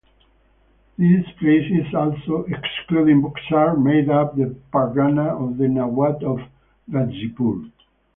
These places also (excluding Buxar) made up the pargana of the Nawab of Ghazipur.